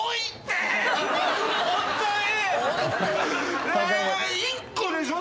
ホントに。